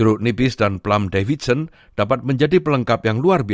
buah buahan tradisional dalam jangka enam puluh tahun